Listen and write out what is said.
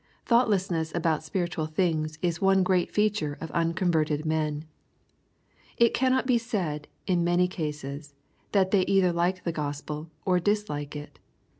Thoughtlessness about spiritual things is one great feature of unconverted men. It cannot be said, in many cases, that they either like the Gospel, or dislike it.